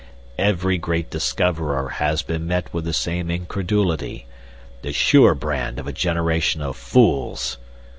"Every great discoverer has been met with the same incredulity the sure brand of a generation of fools.